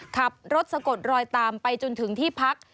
ขับรถสะกดรอยตามไปจนถึงที่พัก